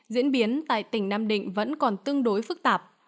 diễn biến tại tỉnh nam định vẫn còn tương đối phức tạp